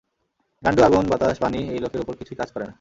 গান্ডু আগুন, বাতাস, পানি, এই লোকের উপর কিছুই কাজ করে না!